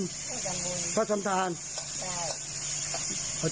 ก็ทำบุญก็ทำทานใช่